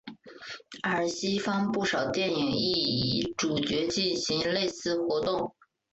而西方不少电影亦以主角进行类似活动。